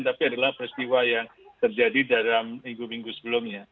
tapi adalah peristiwa yang terjadi dalam minggu minggu sebelumnya